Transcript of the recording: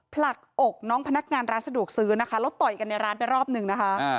ผลักอกน้องพนักงานร้านสะดวกซื้อนะคะแล้วต่อยกันในร้านไปรอบหนึ่งนะคะ